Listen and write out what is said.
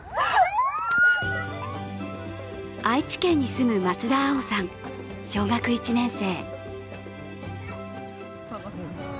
愛知県に住む松田蒼生さん、小学１年生。